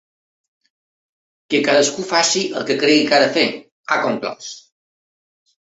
Que cadascú faci el que cregui que ha de fer, ha conclòs.